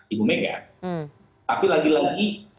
ibu mega tapi lagi lagi